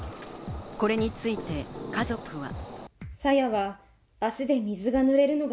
これについて家族は。